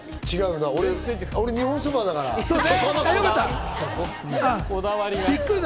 俺、日本そばだから違うな。